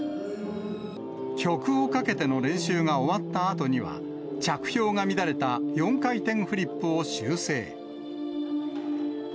曲をかけての練習が終わったあとには、着氷が乱れた４回転フリップを修正。